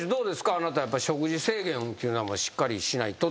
あなた食事制限っていうのはしっかりしないとって。